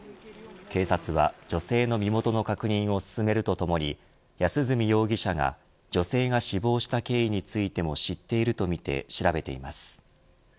警察は、女性の身元の確認を進めるとともに安栖容疑者が女性が死亡した経緯についても知っているとみて調べています。